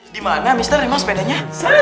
dimana mister sepedanya